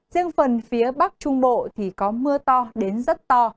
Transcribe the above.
riêng phần phía bắc trung bộ thì có mưa to đến rất to